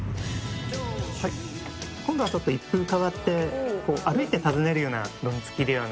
「今度はちょっと一風変わって歩いて訪ねるようなドンツキではなく」